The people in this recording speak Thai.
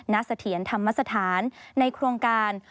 เสถียรธรรมสถานในโครงการ